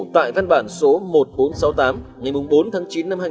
tại văn bản số một nghìn bốn trăm sáu mươi tám ngày bốn tháng chín năm hai nghìn một mươi